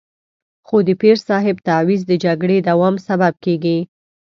خو د پیر صاحب تعویض د جګړې دوام سبب کېږي.